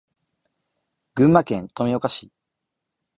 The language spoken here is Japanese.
群馬県富岡市